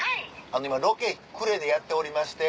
今ロケ呉でやっておりまして。